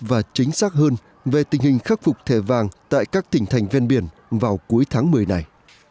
và chính xác hơn về tình hình khắc phục thẻ vàng tại các tỉnh thành ven biển vào cuối tháng một mươi này